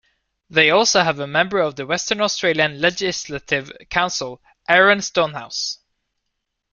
They also have a Member of the Western Australian Legislative Council, Aaron Stonehouse.